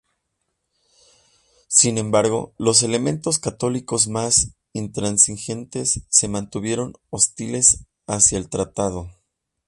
Sin embargo, los elementos católicos más intransigentes se mantuvieron hostiles hacia el tratado.